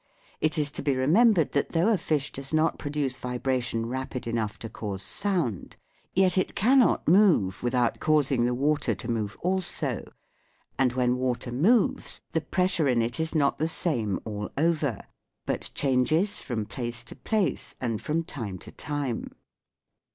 It is to be remembered that though a fish does not produce vibra tion rapid en ough to cause sound, yet it cannot move without causing the water to move also, and when water moves the pressure in it is not the same all over, but changes from place to place and from time to time.